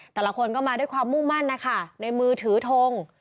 แต่ละคนก็มาด้วยความมุ่งมั่นนะคะในมือถือทง